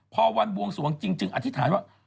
พอวันบวงสวงจริงจึงอธิษฐานว่า